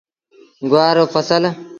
گُوآر رو ڦسل۔